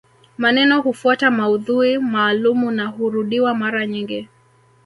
Maneno hufuata maudhui maalumu na hurudiwa mara nyingi